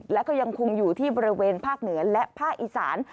และก็ยังคงอยู่ที่บริเวณภาคเหนือและภาคอีสาน